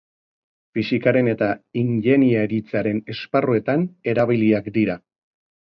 Fisikaren eta ingeniaritzaren esparruetan erabiliak dira.